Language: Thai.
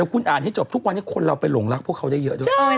ว่าอันนี้จบทุกวันที่คนเราไปหลงรักพวกเขาจะเยอะด้วย